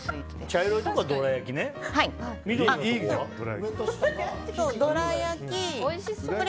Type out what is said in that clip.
茶色いところがどら焼きね。